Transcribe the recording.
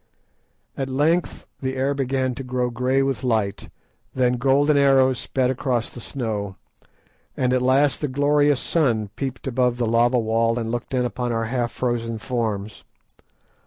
At length the air began to grow grey with light, then golden arrows sped across the snow, and at last the glorious sun peeped above the lava wall and looked in upon our half frozen forms.